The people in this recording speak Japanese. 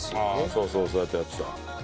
そうそうそうやってやってた。